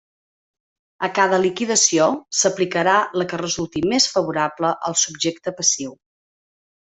A cada liquidació s'aplicarà la que resulti més favorable al subjecte passiu.